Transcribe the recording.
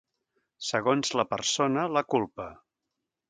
Segons la persona, la culpa.